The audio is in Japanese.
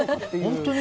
本当に？